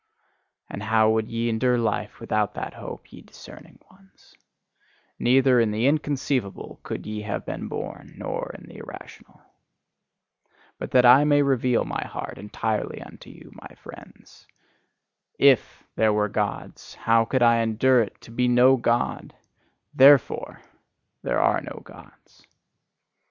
And how would ye endure life without that hope, ye discerning ones? Neither in the inconceivable could ye have been born, nor in the irrational. But that I may reveal my heart entirely unto you, my friends: IF there were gods, how could I endure it to be no God! THEREFORE there are no Gods.